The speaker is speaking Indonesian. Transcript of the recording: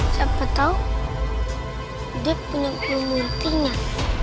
siapa tau dia punya pembunuh tinggal